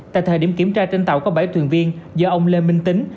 tại thời điểm kiểm tra trên tàu có bảy thuyền viên do ông lê minh tính